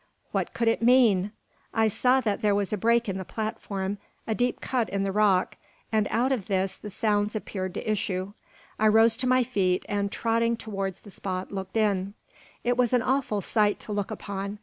What could it mean? I saw that there was a break in the platform, a deep cut in the rock; and out of this the sounds appeared to issue. I rose to my feet, and, tottering towards the spot, looked in. It was an awful sight to look upon.